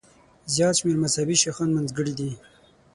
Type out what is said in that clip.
زیات شمېر مذهبي شیخان منځګړي دي.